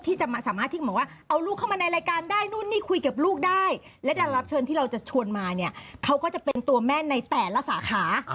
แน่แน่แน่แน่แน่แน่แน่แน่แน่แน่แน่แน่แน่แน่แน่แน่แน่แน่แน่แน่แน่แน่แน่แน่แน่แน่แน่แน่แน่แน่แน่แน่แน่แน่แน่แน่แน่แ